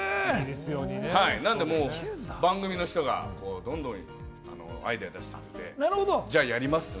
なんで、番組の人がどんどんアイデア出してくれて、じゃあやりますと。